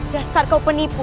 dasar kau penipu